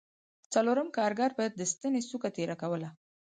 څلورم کارګر به د ستنې څوکه تېره کوله